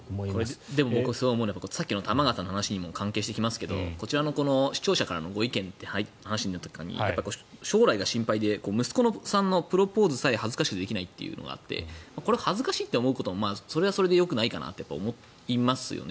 でも僕思うのはさっきの玉川さんの話にも関係してきますが視聴者からの意見となった時に将来が心配で息子さんのプロポーズさえも恥ずかしくてできないというのがあってこれを恥ずかしいと思うこともそれはそれでよくないかなと思いますよね。